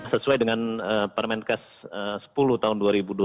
sesuai dengan permenkes sepuluh tahun dua ribu dua puluh